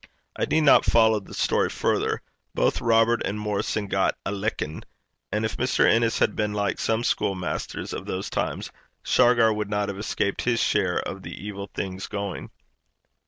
I need not follow the story farther. Both Robert and Morrison got a lickin'; and if Mr. Innes had been like some school masters of those times, Shargar would not have escaped his share of the evil things going.